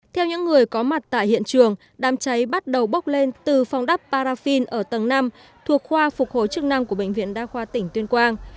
theo những người có mặt tại hiện trường đám cháy bắt đầu bốc lên từ phòng đắp parafin ở tầng năm thuộc khoa phục hồi chức năng của bệnh viện đa khoa tỉnh tuyên quang